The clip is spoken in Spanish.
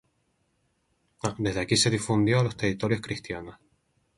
Desde aquí se difundió a los territorios cristianos.